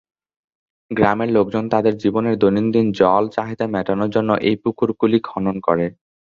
গ্রামের লোকজন তাদের জীবনের দৈনন্দিন জল চাহিদা মেটানোর জন্যে এই পুকুরগুলি খনন করে।